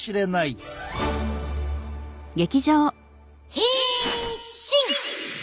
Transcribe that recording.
変身！